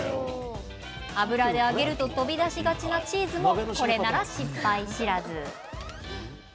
油で揚げると飛び出しがちなチーズも、これなら失敗知らず。